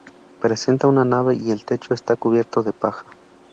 Presenta una nave y el techo está cubierto de paja.